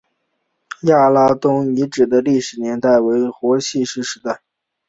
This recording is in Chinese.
亚拉东遗址的历史年代为新石器时代。